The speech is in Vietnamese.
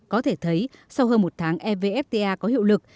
có thể thấy sau hơn một tháng evfta có hiệu lực